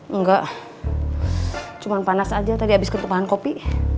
engga cuman panas aja tadi abis ketupahan kopi